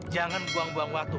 jangan buang buang waktu